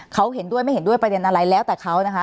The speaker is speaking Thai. เขาเห็นด้วยไม่เห็นด้วยประเด็นอะไรแล้วแต่เขานะคะ